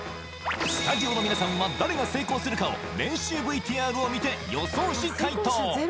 スタジオの皆さんは誰が成功するかを練習ＶＴＲを見て予想し解答